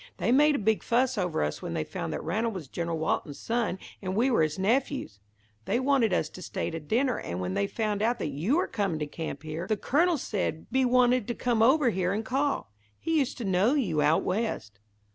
They made a big fuss over us when they found that Ranald was General Walton's son and we were his nephews. They wanted us to stay to dinner, and when they found out that you were coming to camp here, the Colonel said be wanted to come over here and call. He used to know you out West."